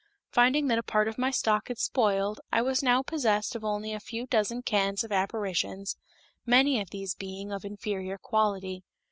Finding that a part of my stock had spoiled, I was now possessed of only a few dozen cans of apparitions, many of these being of inferior quality.